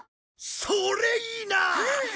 それいいな！